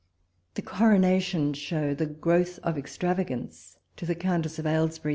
THE COROXATIOX SHOW THE GROWTH OF EXTRAVAGAyCE. To THE C0CNTE88 OF AlLESarRY.